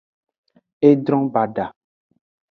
Edron bada.